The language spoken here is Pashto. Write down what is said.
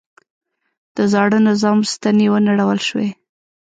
د زاړه نظام ستنې ونړول شوې.